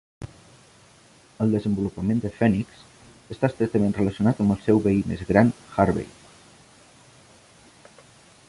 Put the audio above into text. El desenvolupament de Phoenix està estretament relacionat amb el seu veí més gran Harvey.